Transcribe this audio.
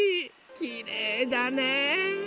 きれいだね。